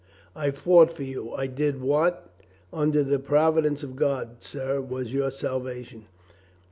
I fought for you. I did what, under the provi dence of God, sir, was your salvation.